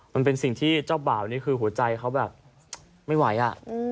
มันเป็นสิ่งที่เจ้าบ่าวนี่คือหัวใจเขาแบบไม่ไหวอ่ะ